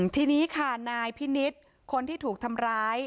ทีนี้ค่ะนายพินิษฐ์คนที่ถูกทำร้าย